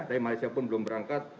tapi malaysia pun belum berangkat